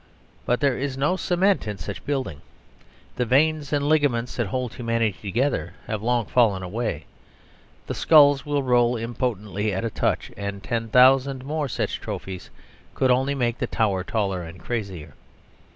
But there is no cement in such building; the veins and ligaments that hold humanity together have long fallen away; the skulls will roll impotently at a touch; and ten thousand more such trophies could only make the tower taller and crazier.